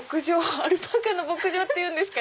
アルパカの牧場っていうんですか。